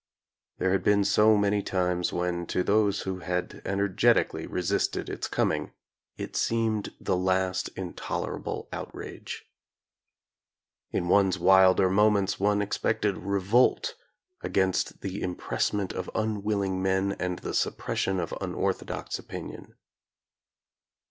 There had been so many times when, to those who had energetically resisted its coming, it seemed the last intolerable outrage. In one's wilder moments one expected revolt against the impressment of unwilling men and the suppression of unorthodox opinion.